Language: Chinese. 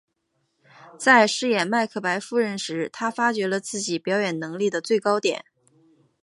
在饰演麦克白夫人时她发觉了自己表演能力的最高点。